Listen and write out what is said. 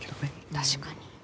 確かに。